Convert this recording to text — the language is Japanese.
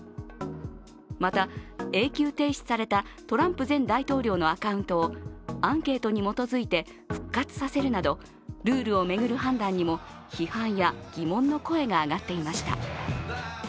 また、影響停止されたトランプ前大統領のアカウントをアンケートに基づいて復活させるなど、ルールを巡る判断にも批判や疑問の声が上がっていました。